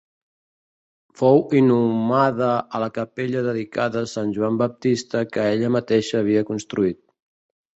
Fou inhumada a la capella dedicada a Sant Joan Baptista que ella mateixa havia construït.